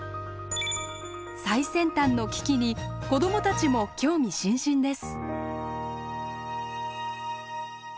最先端の機器に子どもたちも興味津々です。